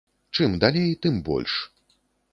Чым далей, тым больш.